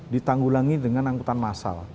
ditanggulangi dengan angkutan massal